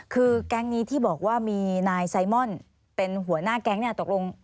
คือแก๊งนี้ที่บอกว่ามีนายไซมอนเป็นหัวหน้าแก๊งเนี่ยตกลง